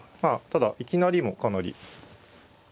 ただいきなりもかなり。